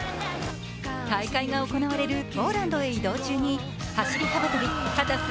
大会が行なわれるポーランドへ移動中に走り幅跳び・秦澄